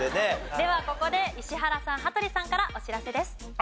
ではここで石原さん羽鳥さんからお知らせです。